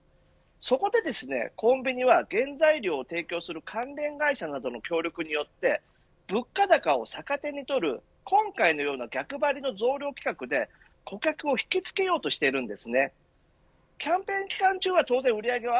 そこでコンビニは、原材料などを提供する関連会社などの協力によって物価高を逆手に取る今回のような逆張りの増量企画で顧客を引きつけようとしています。